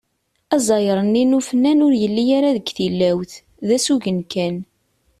Aẓayer-nni n ufennan ur yelli ara deg tilawt, d asugen kan.